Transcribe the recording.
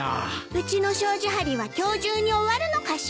うちの障子張りは今日中に終わるのかしら。